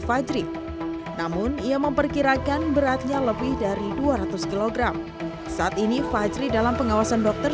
fajri namun ia memperkirakan beratnya lebih dari dua ratus kg saat ini fajri dalam pengawasan dokter